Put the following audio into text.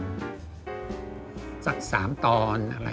โปรดติดตามต่อไป